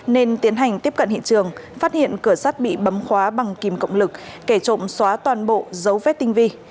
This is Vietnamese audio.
nên tiến hành tiếp cận hiện trường phát hiện cửa sắt bị bấm khóa bằng kìm cộng lực kẻ trộm xóa toàn bộ dấu vết tinh vi